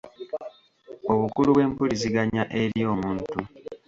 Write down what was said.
obukulu bw’empuliziganya eri omuntu